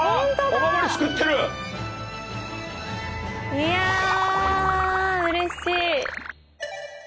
いやうれしい。